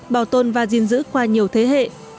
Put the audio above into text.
bảo tồn và diên dữ qua nhiều thế hệ